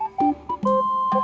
saya juga ngantuk